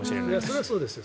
それはそうですよ。